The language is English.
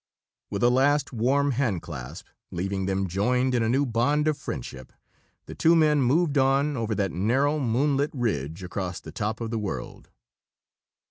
With a last warm handclasp, leaving them joined in a new bond of friendship, the two men moved on over that narrow, moonlit ridge across the top of the world.